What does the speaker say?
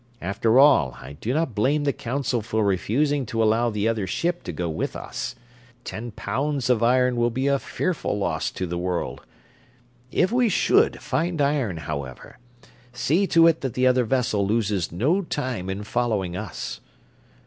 "After all, I do not blame the Council for refusing to allow the other ship to go with us. Ten pounds of iron will be a fearful loss to the world. If we should find iron, however, see to it that the other vessel loses no time in following us."